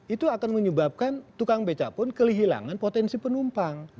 itu akan menyebabkan tukang beca pun kehilangan potensi penumpang